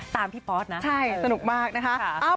ตามที่ปอสนะใช่สนุกมากนะคะ